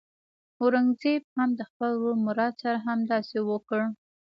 اورنګزېب هم د خپل ورور مراد سره همداسې وکړ.